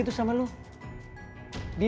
yifht dengan way